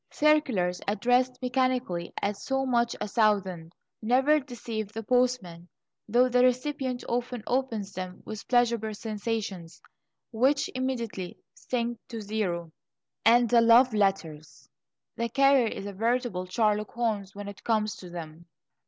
Circulars addressed mechanically, at so much a thousand, never deceive the postman, though the recipient often opens them with pleasurable sensations, which immediately sink to zero. And the love letters! The carrier is a veritable Sherlock Holmes when it comes to them.